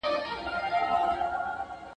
شهو مي د نه وسه خور ده.